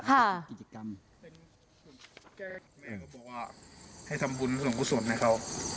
แม่ก็บอกว่าให้ทำบุญส่วนขุดส่วนให้เขา